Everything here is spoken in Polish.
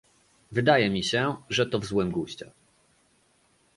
Wydaje mi się, że to w złym guście